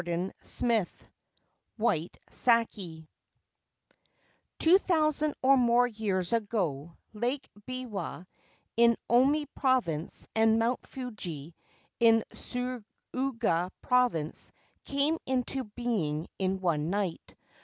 238 XXXVIII WHITE SAKE Two thousand or more years ago Lake Biwa, in Omi Province, and Mount Fuji, in Suruga Province, came into being in one night.